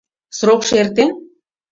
Срокшо эртен?